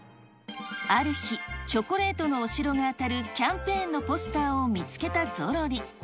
ある日、チョコレートのお城が当たるキャンペーンのポスターを見つけたゾロリ。